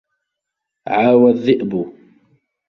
عَوَى الذِّئْبُ.